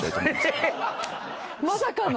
まさかの？